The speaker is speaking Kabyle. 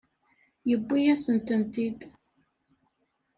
Yuwi-asent-tent-id.